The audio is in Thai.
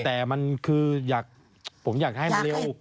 แต่มันคืออยากผมอยากให้เร็ว